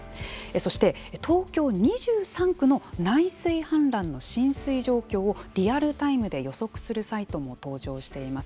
そして東京２３区の内水氾濫の浸水状況をリアルタイムで予測するサイトも登場しています。